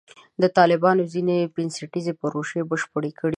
طالبانو ځینې بنسټیزې پروژې بشپړې کړې دي.